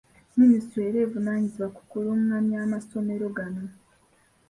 Minisitule era evunaanyizibwa ku kulungamya amasomero gano.